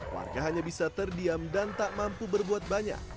warga hanya bisa terdiam dan tak mampu berbuat banyak